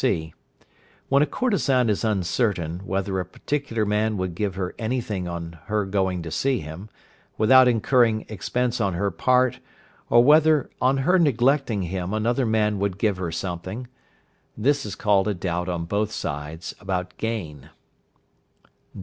(c). When a courtesan is uncertain, whether a particular man would give her anything on her going to see him, without incurring expense on her part, or whether on her neglecting him another man would give her something, this is called a doubt on both sides about gain.